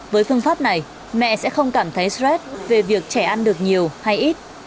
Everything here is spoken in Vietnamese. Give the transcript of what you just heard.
với phương pháp này mẹ sẽ không cảm thấy stress về việc trẻ ăn được nhiều hay ít